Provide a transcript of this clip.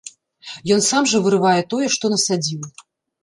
Ён сам жа вырывае тое, што насадзіў.